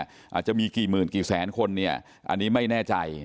อาจจะมีกี่หมื่นกี่แสนคนเนี่ยอันนี้ไม่แน่ใจ